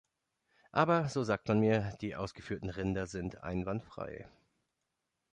Aber, so sagt man mir, die ausgeführten Rinder sind einwandfrei.